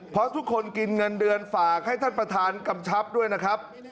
เพราะทุกคนกินเงินเดือนฝากให้ท่านประธานกำชับด้วยนะครับ